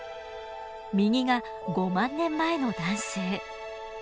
右が５万年前の男性。